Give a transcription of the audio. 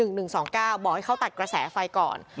บอกให้เขาตัดกระแสไฟก่อน